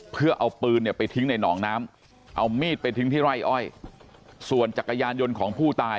เพื่อเอาปืนเนี่ยไปทิ้งในหนองน้ำเอามีดไปทิ้งที่ไร่อ้อยส่วนจักรยานยนต์ของผู้ตาย